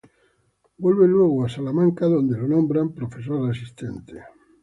Vuelve luego a Berkeley donde es nombrado profesor asistente.